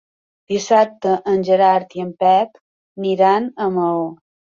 Dissabte en Gerard i en Pep iran a Maó.